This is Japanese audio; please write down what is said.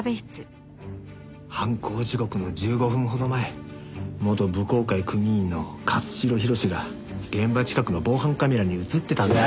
犯行時刻の１５分ほど前元武輝会組員の勝城弘が現場近くの防犯カメラに映ってたんだよ。